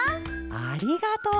「ありがとう」かあ！